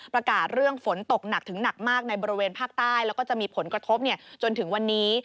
ประกาศเรื่องฝนตกหนักถึงหนักมากในบริเวณภาคใต้แล้วก็จะมีผลกระทบจนถึงวันนี้